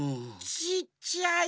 ちっちゃい。